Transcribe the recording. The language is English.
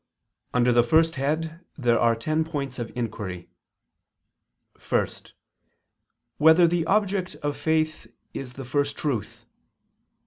Under the first head there are ten points of inquiry: (1) Whether the object of faith is the First Truth?